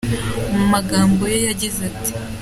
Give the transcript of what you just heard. Mu magambo ye yagize ati “.